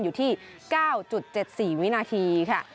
อยู่ที่๙๗๔วินาทีค่ะ